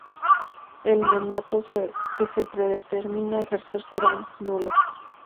El mandato que se pretenda ejercer será nulo.